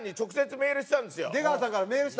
出川さんからメールした？